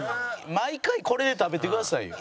毎回これで食べてくださいよ。